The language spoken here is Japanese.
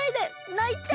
ないちゃう。